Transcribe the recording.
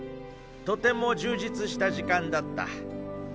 とても充実した時間だった。